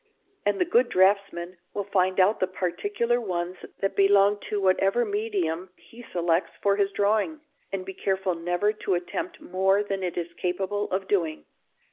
And the good draughtsman will find out the particular ones that belong to whatever medium he selects for his drawing, and be careful never to attempt more than it is capable of doing.